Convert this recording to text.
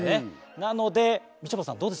なのでみちょぱさんどうです？